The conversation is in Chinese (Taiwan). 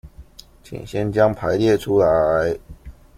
請先將排列出來